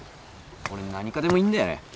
俺何科でもいいんだよね。